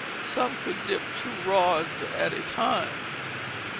Some could dip two rods at a time.